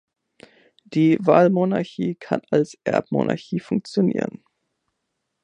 Die Wahlmonarchie kann als Erbmonarchie funktionieren.